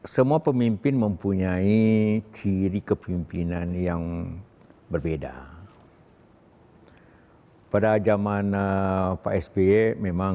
semua pemimpin mempunyai ciri kepimpinan yang berbeda pada zaman pak sby memang